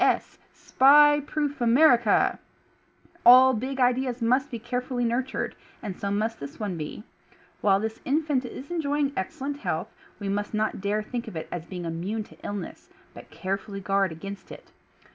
S. S !"— SPY PROOF AMERICA ! All big ideas must be carefully nurtured ; and so must this one be. While this infant is enjoying excellent health we must not dare think of it as being immune to illness, but carefully guard against it.